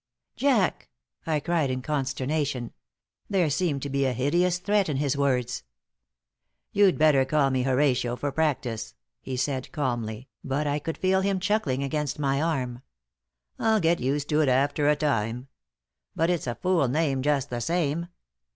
"Jack!" I cried, in consternation. There seemed to be a hideous threat in his words. "You'd better call me Horatio, for practice," he said, calmly, but I could feel him chuckling against my arm. "I'll get used to it after a time. But it's a fool name, just the same.